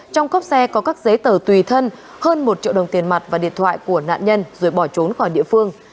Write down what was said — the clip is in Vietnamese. trong cốc xe có các giấy tờ tùy thân hơn một triệu đồng tiền mặt và điện thoại của nạn nhân rồi bỏ trốn khỏi địa phương